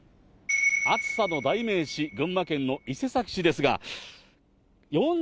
暑さの代名詞、群馬県の伊勢崎市ですが、４２．３度。